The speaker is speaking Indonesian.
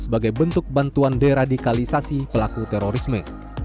sebagai bentuk bantuan deradikalisasi pelaku terorisme